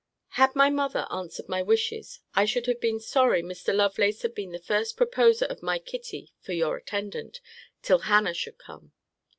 Had my mother answered my wishes, I should have been sorry Mr. Lovelace had been the first proposer of my Kitty for your attendant, till Hannah should come.